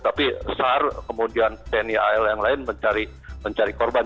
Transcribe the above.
tapi sar kemudian tni al yang lain mencari korban